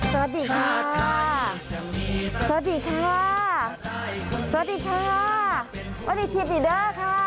สวัสดีค่ะสวัสดีค่ะสวัสดีค่ะสวัสดีทีปีเดอร์ค่ะ